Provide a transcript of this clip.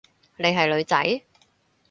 你係女仔？